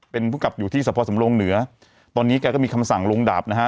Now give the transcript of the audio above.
เป็นผู้กลับอยู่ที่สะพอสำรงเหนือตอนนี้แกก็มีคำสั่งลงดาบนะฮะ